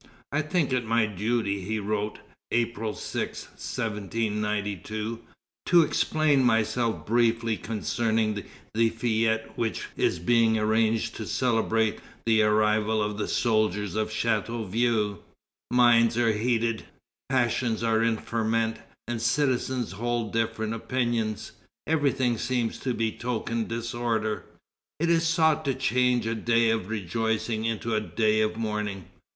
"I think it my duty," he wrote, April 6, 1792, "to explain myself briefly concerning the fête which is being arranged to celebrate the arrival of the soldiers of Chateauvieux. Minds are heated, passions are in ferment, and citizens hold different opinions; everything seems to betoken disorder. It is sought to change a day of rejoicing into a day of mourning....